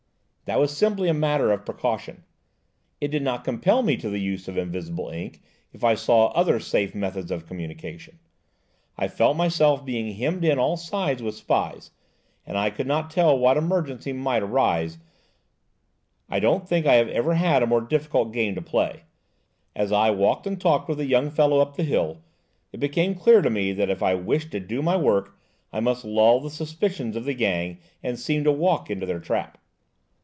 "That was simply a matter or precaution; it did not compel me to the use of invisible ink, if I saw other safe methods of communication. I felt myself being hemmed in on all sides with spies, and I could not tell what emergency might arise. I don't think I have ever had a more difficult game to play. As I walked and talked with the young fellow up the hill, it became clear to me that if I wished to do my work I must lull the suspicions of the gang, and seem to walk into their trap.